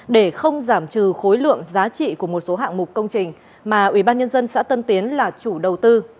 để không giảm trừ khối lượng giá trị của một số hạng mục công trình mà ubnd xã tân tiến là chủ đầu tư